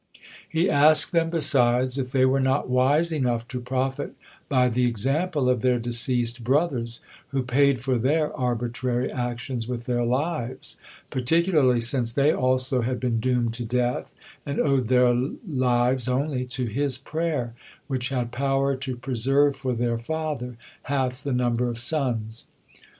He asked them, besides, if they were not wise enough to profit by the example of their deceased brothers, who paid for their arbitrary actions with their lives, particularly since they also had been doomed to death, and owed their lived only to his prayer, which had power to preserve for their father half the number of sons.